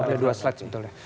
ada dua slide sebetulnya